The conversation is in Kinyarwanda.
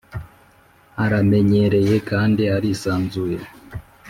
'aramenyereye kandi arisanzuye